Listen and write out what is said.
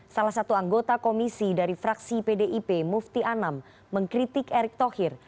salah satu anggota komisi dari fraksi pdip mufti anam mengkritik erick thohir